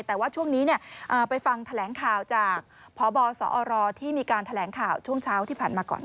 แต่ว่าช่วงนี้ไปฟังแถลงข่าวจากพบสอรที่มีการแถลงข่าวช่วงเช้าที่ผ่านมาก่อนค่ะ